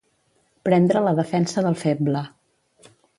Prendre la defensa del feble.